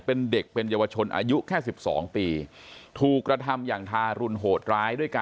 เป็นเด็กเป็นเยาวชนอายุแค่สิบสองปีถูกกระทำอย่างทารุณโหดร้ายด้วยกัน